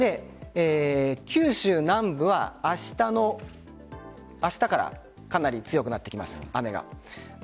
九州南部はあしたからかなり強くなってきます、雨が。